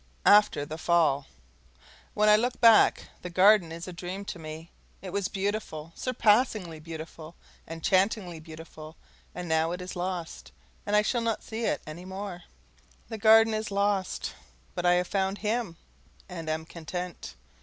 After the Fall When I look back, the Garden is a dream to me. It was beautiful, surpassingly beautiful, enchantingly beautiful; and now it is lost, and I shall not see it any more. The Garden is lost, but I have found HIM, and am content.